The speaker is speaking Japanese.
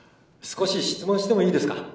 少し質問してもいいですか？